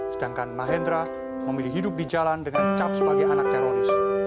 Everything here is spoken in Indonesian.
sedangkan mahendra memilih hidup di jalan dengan dicap sebagai anak teroris